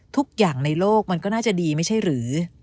ทุกอย่างในโลกมันก็น่าจะดีไม่ใช่หรือ